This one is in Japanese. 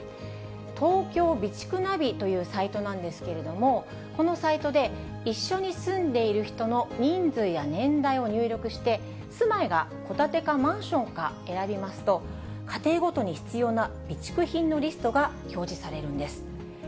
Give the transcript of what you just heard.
東京備蓄ナビというサイトなんですけれども、このサイトで、一緒に住んでいる人の人数や年代を入力して、住まいが戸建てかマンションか選びますと、家庭ごとに必要な備蓄品のリストが表示されるんです。